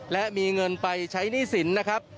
และมีเงินไปใช้หนี้สินนะครับ